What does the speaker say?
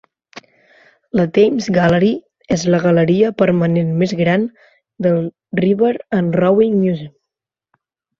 La Thames Gallery és la galeria permanent més gran del River and Rowing Museum.